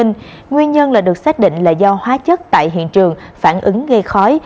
nguyên nhân được xác định là do hóa chất tại hiện trường phản ứng ngay khói